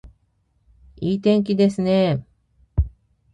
いい天気ですね